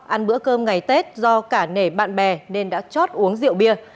ăn bữa cơm ngày tết do cả nể bạn bè nên đã chót uống rượu bia